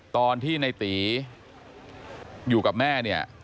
ตอนที่ในตีอยู่กับแม่เนี่ย